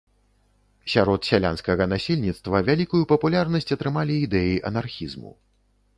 Сярод сялянскага насельніцтва вялікую папулярнасць атрымалі ідэі анархізму.